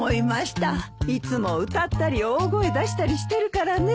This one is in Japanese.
いつも歌ったり大声出したりしてるからね。